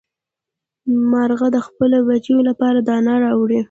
مارغه د خپلو بچیو لپاره دانه راوړي.